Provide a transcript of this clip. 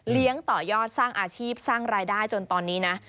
ต่อยอดสร้างอาชีพสร้างรายได้จนตอนนี้นะ